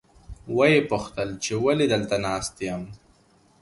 ویې پوښتل چې ولې دلته ناست یم.